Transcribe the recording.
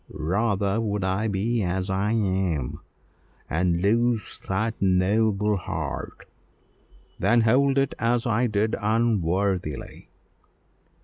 rather would I be as I am, and lose that noble heart, than hold it as I did, unworthily.